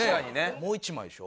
もう１枚でしょ？